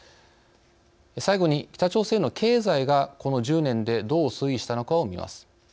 最後に北朝鮮の経済がこの１０年でどう推移したのかをみます。